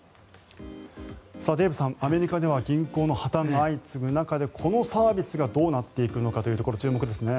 デーブさん、アメリカでは銀行の破たんが相次ぐ中でこのサービスがどうなっていくのかというところ注目ですね。